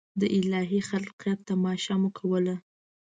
د الهي خلقت تماشه مو کوله.